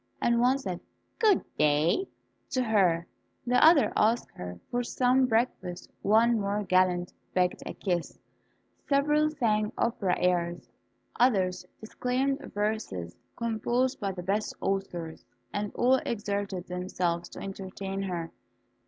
One said, "Good day" to her; the other asked her for some breakfast; one more gallant begged a kiss; several sang opera airs, others declaimed verses composed by the best authors; and all exerted themselves to entertain her.